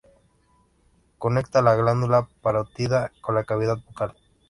Conecta la glándula parótida con la cavidad bucal.